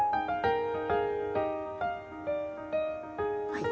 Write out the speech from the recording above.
はい。